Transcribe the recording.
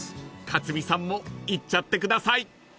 ［克実さんもいっちゃってください］